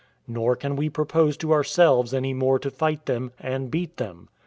Nor can we propose to ourselves any more to fight them, and beat them.